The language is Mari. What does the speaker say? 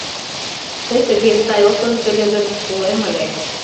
Тый тыге сай от ончо ыле гын, колем ыле.